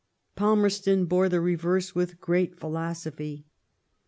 Palmerston bore the reverse with greot^ philosophy.